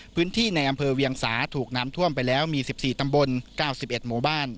ในอำเภอเวียงสาถูกน้ำท่วมไปแล้วมี๑๔ตำบล๙๑หมู่บ้าน